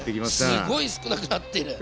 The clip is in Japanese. すごい少なくなってる。